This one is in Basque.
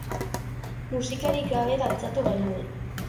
Musikarik gabe dantzatu genuen.